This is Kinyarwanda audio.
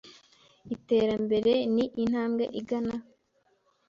Iterambere: Ni intambwe igana: